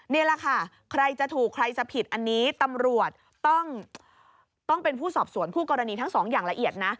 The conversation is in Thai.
นี่แหละค่ะใครจะถูกใครจะผิดอันนี้ตำรวจต้องเป็นผู้สอบสวนคู่กรณีทั้งสองอย่างละเอียดนะ